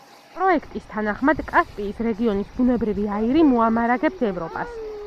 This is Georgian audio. პროექტის თანახმად კასპიის რეგიონის ბუნებრივი აირი მოამარაგებს ევროპას.